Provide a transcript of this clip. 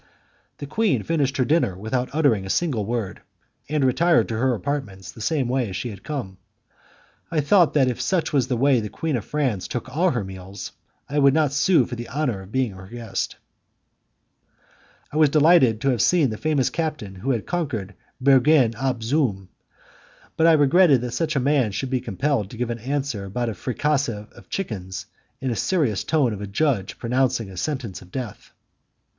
The queen finished her dinner without uttering a single word, and retired to her apartments the same way as she had come. I thought that if such was the way the queen of France took all her meals, I would not sue for the honour of being her guest. I was delighted to have seen the famous captain who had conquered Bergen op Zoom, but I regretted that such a man should be compelled to give an answer about a fricassee of chickens in the serious tone of a judge pronouncing a sentence of death.